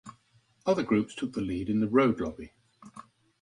Other groups took the lead in the road lobby.